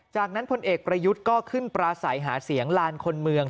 จากนั้นพลเอกประยุทธ์ก็ขึ้นปราศัยหาเสียงลานคนเมือง